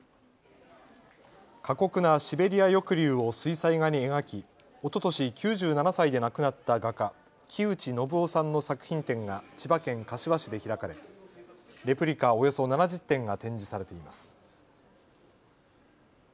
過酷なシベリア抑留を水彩画に描き、おととし９７歳で亡くなった画家、木内信夫さんの作品展が千葉県柏市で開かれ、レプリカおよそ７０点が展示されています。